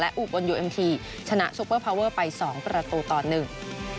อุบลยูเอ็มทีชนะซุปเปอร์พาวเวอร์ไปสองประตูต่อหนึ่ง